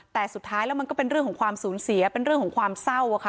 แต่สุดท้ายแล้วมันก็เป็นเรื่องของความสูญเสียเป็นเรื่องของความเศร้าค่ะ